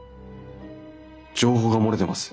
情報が漏れてます。